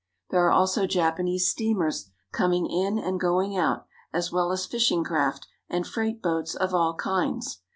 There are also Japanese steamers coming in and going out, as well as fishing craft and freight boats of all kinds.